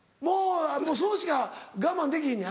もうそうしか我慢できひんねん